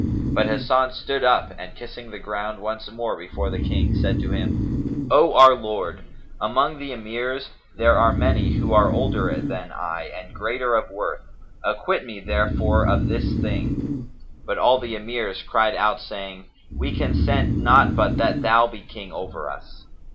But Hasan stood up and, kissing the ground once more before the King, said to him, "O our lord the King, among the Emirs there be many who are older than I and greater of worth; acquit me therefore of this thing." But all the Emirs cried out saying, "We consent not but that thou be King over us."